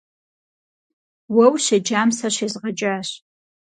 Уэ ущеджам сэ щезгъэджащ.